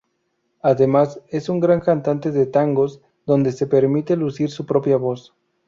Además es un gran cantante de tangos, donde se permite lucir su propia voz.